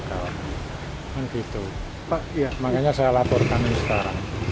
kan gitu makanya saya laporkan ini sekarang